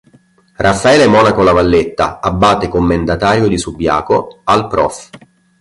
Raffaele Monaco La Valletta, abate commendatario di Subiaco, al prof.